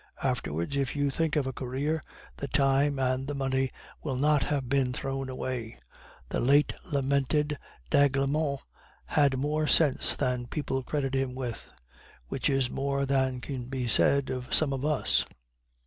Afterwards, if you think of a career, the time and the money will not have been thrown away.' The late lamented d'Aiglemont had more sense than people credited him with, which is more than can be said of some of us."